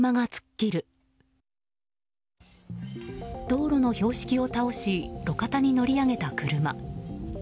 道路の標識を倒し路肩に乗り上げた車。